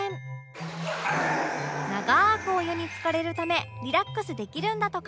長くお湯につかれるためリラックスできるんだとか